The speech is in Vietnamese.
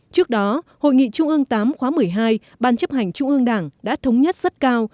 trước đó hội nghị trung ương viii khóa một mươi hai ban chấp hành trung ương đảng đã thống nhất rất cao